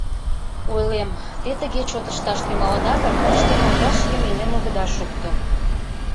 Ойлем: «Те тыге чот ышташ тӱҥалыда гын, тыште кандаш ийым илен огыда шукто.